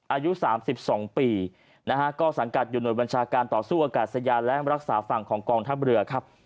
อายุ๓๒ปีนะฮะก็สังกัดอยู่หน่วยบัญชาการต่อสู้อากาศยานและรักษาฝั่งของกองทัพเรือครับ